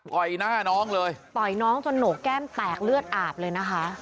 ยหน้าน้องเลยต่อยน้องจนโหนกแก้มแตกเลือดอาบเลยนะคะ